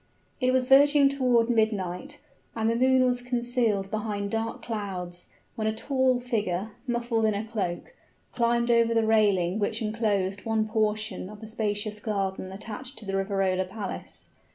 It was verging toward midnight, and the moon was concealed behind dark clouds, when a tall figure, muffled in a cloak, climbed over the railing which inclosed one portion of the spacious garden attached to the Riverola Palace.